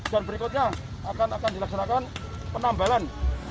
dan berikutnya akan dilaksanakan penambalan